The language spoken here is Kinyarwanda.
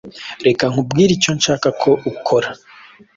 Reka nkubwire icyo nshaka ko ukora.